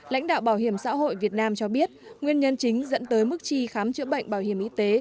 lãnh đạo bảo hiểm xã hội việt nam cho biết nguyên nhân chính dẫn tới mức tri khám chữa bệnh bảo hiểm y tế